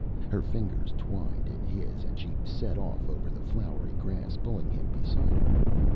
Her fingers twined in his and she set off over the flowery grass, pulling him beside her.